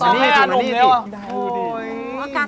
โอ้ระวัง